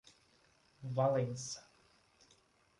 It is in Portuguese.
Valença